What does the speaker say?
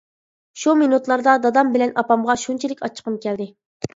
شۇ مىنۇتلاردا دادام بىلەن ئاپامغا شۇنچىلىك ئاچچىقىم كەلدى.